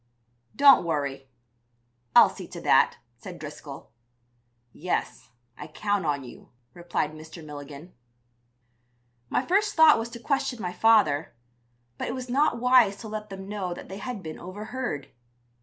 "'Don't worry; I'll see to that,' said Driscoll. "'Yes, I count on you,' replied Mr. Milligan." My first thought was to question my father, but it was not wise to let them know that they had been overheard.